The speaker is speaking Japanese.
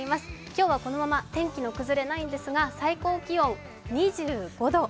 今日はこのまま天気の崩れないんですが、最高気温２５度。